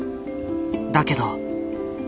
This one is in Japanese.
だけど。